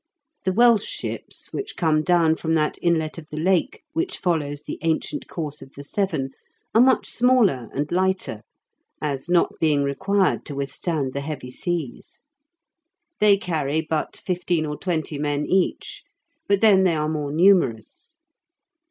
The Welsh ships, which come down from that inlet of the Lake which follows the ancient course of the Severn, are much smaller and lighter, as not being required to withstand the heavy seas. They carry but fifteen or twenty men each, but then they are more numerous.